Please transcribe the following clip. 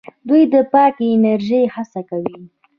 دوی د پاکې انرژۍ هڅه کوي.